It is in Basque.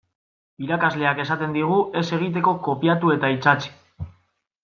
Irakasleak esaten digu ez egiteko kopiatu eta itsatsi.